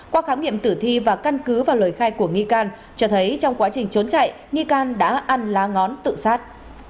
qua khám nghiệm tử thi và căn cứ vào lời khai của nghi can cho thấy trong quá trình trốn chạy nghi can đã ăn lá ngón tự sát